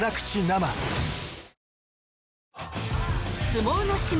相撲の島